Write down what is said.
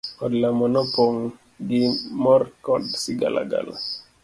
Od lamo nopong' gi mor koda sigalagala.